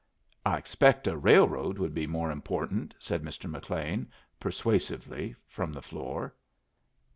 "I expect a railroad would be more important," said Mr. McLean, persuasively, from the floor.